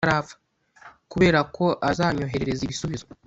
kuberako azanyoherereza ibisubizo,